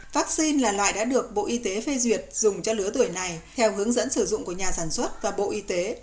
vaccine là loại đã được bộ y tế phê duyệt dùng cho lứa tuổi này theo hướng dẫn sử dụng của nhà sản xuất và bộ y tế